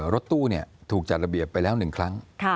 รถตู้ถูกจัดระเบียบไปแล้ว๑ครั้ง